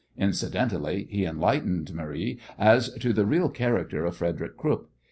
Incidentally he enlightened Marie as to the real character of Frederick Krupp.